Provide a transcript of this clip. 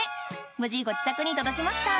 無事ご自宅に届きました